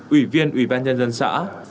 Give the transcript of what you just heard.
ủy viên ủy ban nhân dân xã